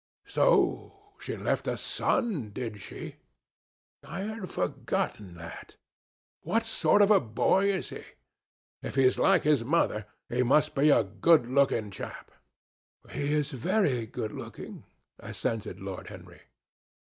So she left a son, did she? I had forgotten that. What sort of boy is he? If he is like his mother, he must be a good looking chap." "He is very good looking," assented Lord Henry.